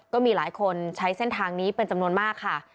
ก็มีหลายคนใช้เส้นทางนี้เป็นจำนวนมากค่ะ